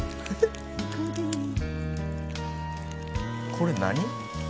「これ何？」